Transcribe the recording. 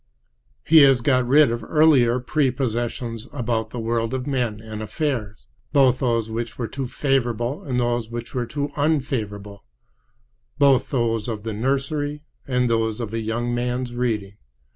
He has got rid of earlier prepossessions about the world of men and affairs, both those which were too favorable and those which were too unfavorable—both those of the nursery and those of a young man's reading.